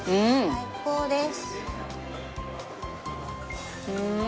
最高です。